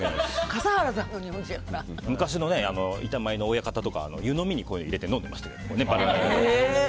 昔の板前の親方なんか湯のみに入れて、飲んでいました。